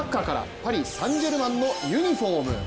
パリ・サン＝ジェルマンのユニフォーム。